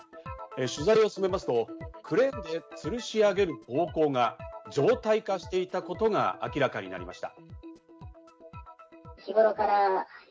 取材を進めますとクレーンで吊るし上げる暴行が常態化していたことが明らかになりました。